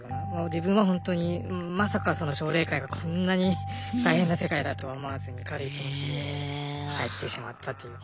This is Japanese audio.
自分はほんとにまさか奨励会がこんなに大変な世界だとは思わずに軽い気持ちで入ってしまったという。